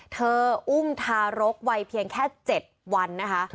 เธออุ้มทารกไวเพียงแค่๗วันนะคะ